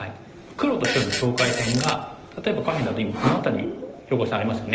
黒と白の境界線が例えば下辺だと今この辺りに境界線ありますよね。